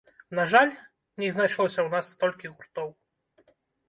На жаль, не знайшлося ў нас столькі гуртоў.